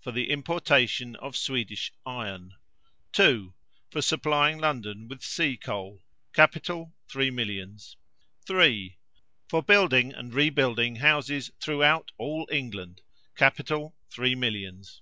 For the importation of Swedish iron. 2. For supplying London with sea coal. Capital, three millions. 3. For building and rebuilding houses throughout all England Capital, three millions.